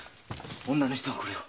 女の人がこれを。